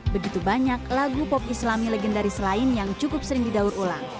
begitu banyak lagu pop islami legendaris lain yang cukup sering didaur ulang